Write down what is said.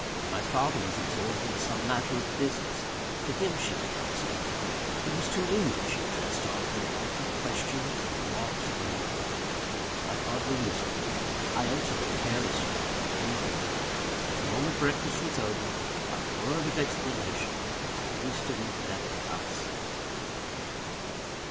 My father was absorbed in some matter of business; to him she could not speak. It was to me that she addressed all her wonted questions and remarks of the morning. I hardly listened to them; I answered them carelessly and briefly. The moment breakfast was over, without a word of explanation I hastily left the house again.